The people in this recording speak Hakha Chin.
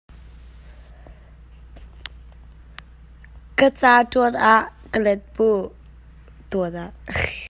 Ka ca tuan ah ka let mu!